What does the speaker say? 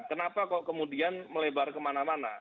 kenapa kok kemudian melebar kemana mana